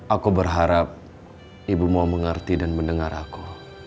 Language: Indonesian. aku berharap ibu mau mengerti dan mendengar aku